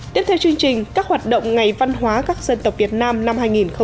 tiếp theo chương trình các hoạt động ngày văn hóa các dân tộc việt nam năm hai nghìn một mươi chín